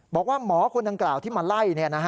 บอกว่าหมอคนดังกล่าวที่มาไล่